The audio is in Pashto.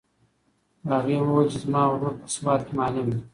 هغې وویل چې زما ورور په سوات کې معلم دی.